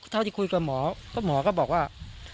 หาคุยกับหมอเพราะหมอก็บอกว่า